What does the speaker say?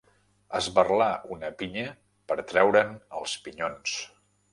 Esberlar una pinya per treure'n els pinyons.